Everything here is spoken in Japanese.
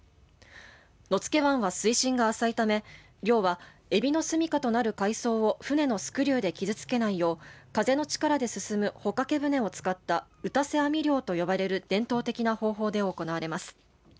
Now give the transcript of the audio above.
野付湾は水深が浅いため漁はエビの住みかとなる海草を舟のスクリューで傷つけないよう風の力で進む帆掛け舟を使った打瀬網漁と呼ばれる伝統的な方法で行われます。